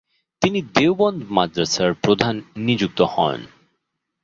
তিনি দেওবন্দ মাদ্রাসার প্রধান নিযুক্ত হন।